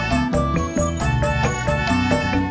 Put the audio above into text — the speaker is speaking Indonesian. sekalian beli sirup